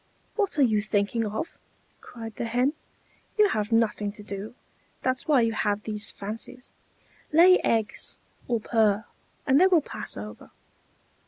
"What are you thinking of?" cried the Hen. "You have nothing to do, that's why you have these fancies. Lay eggs, or purr, and they will pass over."